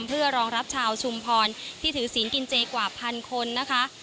เพื่อรองรับชาวชุมพรที่ถือศีลกินเจกว่าพันคนนะคะ